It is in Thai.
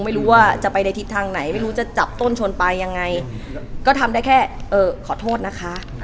ไม่รู้ว่าจะไปในทิศทางไหนไม่รู้จะจับต้นชนปลายยังไงก็ทำได้แค่เออขอโทษนะคะ